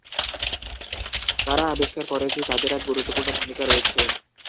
তারা আবিষ্কার করে যে, তাদের এক গুরুত্বপূর্ণ ভূমিকা রয়েছে।